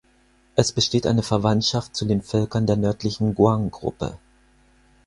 Es besteht eine Verwandtschaft zu den Völkern der Nördlichen Guang-Gruppe.